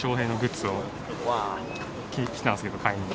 わー。来たんですけど、買いに。